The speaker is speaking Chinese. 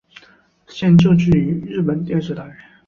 现就职于日本电视台。